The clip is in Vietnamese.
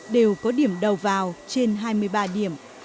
đều có điểm đầu vào trên hai mươi ba điểm